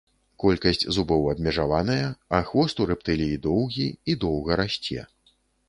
Колькасць зубоў абмежаваная, а хвост у рэптыліі доўгі, і доўга расце.